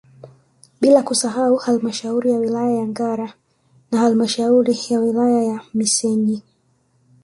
Bila kusahau halmashauri ya wilaya ya Ngara na halmashauri ya wilaya ya Misenyi